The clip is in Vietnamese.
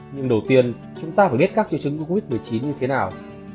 nhưng đầu tiên chúng ta phải biết các triệu chứng covid một mươi chín như thế nào